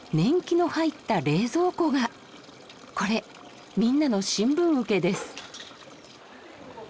これみんなの新聞受けです。